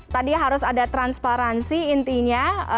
tadi harus ada transparansi intinya